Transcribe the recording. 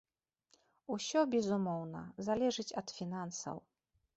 Усё, безумоўна, залежыць ад фінансаў.